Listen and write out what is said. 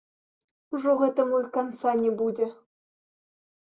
Ужо гэтаму і канца не будзе!